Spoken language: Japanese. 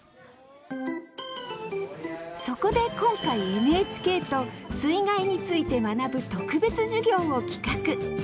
そこで今回ＮＨＫと水害について学ぶ特別授業を企画。